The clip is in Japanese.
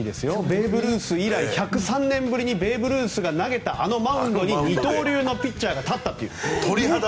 ベーブ・ルース以来１０３年ぶりにベーブ・ルースが投げたあのマウンドに二刀流のピッチャーが立ったという。